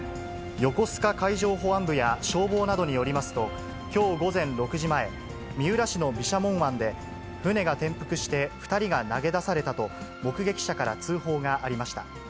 横須賀海上保安部や消防などによりますと、きょう午前６時前、三浦市の毘沙門湾で船が転覆して２人が投げ出されたと、目撃者から通報がありました。